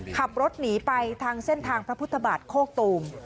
ขับรถหนีไปทางเส้นทางพระพุทธบาทโคกตูม